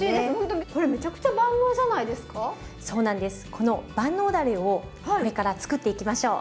この万能だれをこれからつくっていきましょう。